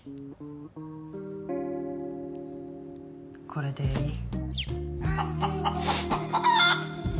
これでいい？